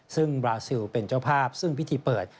ซึ่งบราซิลเป็นเจ้าภาพซึ่งพิธีเปิด